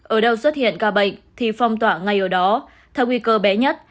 ở đâu xuất hiện ca bệnh thì phong tỏa ngay ở đó theo nguy cơ bé nhất